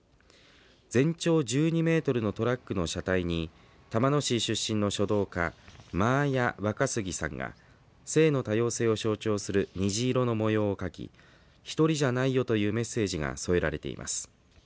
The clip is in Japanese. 全長１２メートルのトラックの車体に玉野市出身の書道家ＭａａｙａＷａｋａｓｕｇｉさんが性の多様性を象徴する虹色の模様を描きひとりじゃないよというメッセージが添えられています。